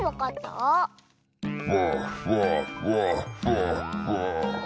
フォッフォッフォッフォッフォッ。